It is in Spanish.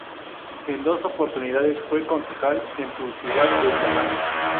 En dos oportunidades fue concejal en su ciudad de Diamante.